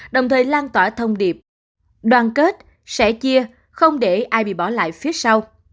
đồng thời lan tỏa thông điệp đoàn kết sẻ chia không để ai bị bỏ lại phía sau